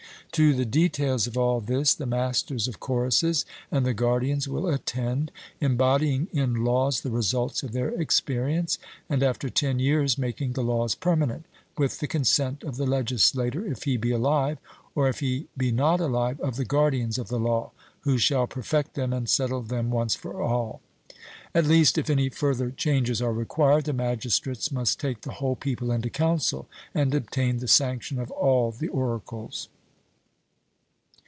To the details of all this the masters of choruses and the guardians will attend, embodying in laws the results of their experience; and, after ten years, making the laws permanent, with the consent of the legislator, if he be alive, or, if he be not alive, of the guardians of the law, who shall perfect them and settle them once for all. At least, if any further changes are required, the magistrates must take the whole people into counsel, and obtain the sanction of all the oracles.